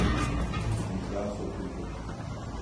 Necla sokuldu.